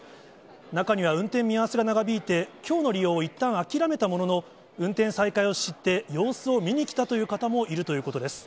中には、運転見合わせが長引いて、きょうの利用をいったん諦めたものの、運転再開を知って、様子を見に来たという方もいるということです。